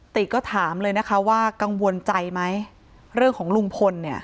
ก็ถามเลยนะคะว่ากังวลใจไหมเรื่องของลุงพลเนี่ย